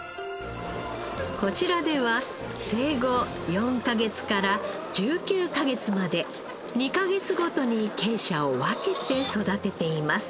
こちらでは生後４カ月から１９カ月まで２カ月ごとに鶏舎を分けて育てています。